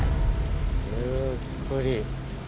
ゆっくり。